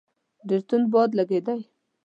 ډېر توند باد لګېدی.